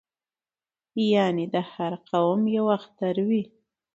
یعنې د هر قوم یو اختر وي